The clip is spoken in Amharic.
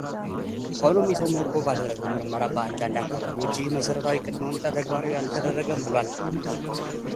ሆኖም ኢሰመኮ ባደረገው ምርመራ በአንዳንድ አካባቢዎች ይህ መሰረታዊ ቅድመ ሁኔታ ተግባራዊ አልተደረገም ብሏል።